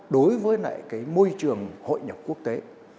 đối với lại cái môi trường hội nhập quốc tế